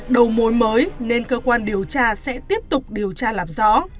đầu mối mới nên cơ quan điều tra sẽ tiếp tục điều tra làm rõ